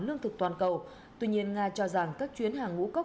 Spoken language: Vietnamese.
lương thực toàn cầu tuy nhiên nga cho rằng các chuyến hàng ngũ cốc